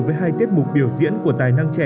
với hai tiết mục biểu diễn của tài năng trẻ